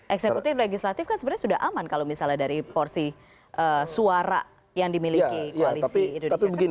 eksekutif legislatif kan sebenarnya sudah aman kalau misalnya dari porsi suara yang dimiliki koalisi indonesia kerja